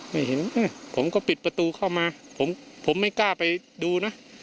ไม่เห็นผมก็ปิดประตูเข้ามาผมไม่กล้าไปดูนะ